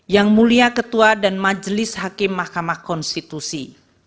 yang mulia ketua dan majelis hakim mahkamah konstitusi